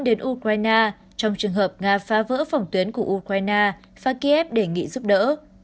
đến ukraine trong trường hợp nga phá vỡ phòng tuyến của ukraine và kiev đề nghị giúp đỡ